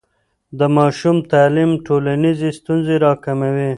د ماشوم تعلیم ټولنیزې ستونزې راکموي.